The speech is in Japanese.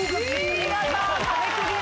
見事壁クリアです。